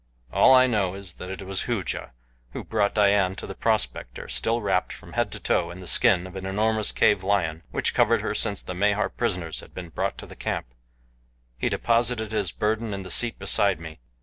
All I know is that it was Hooja who brought Dian to the prospector, still wrapped from head to toe in the skin of an enormous cave lion which covered her since the Mahar prisoners had been brought into camp. He deposited his burden in the seat beside me.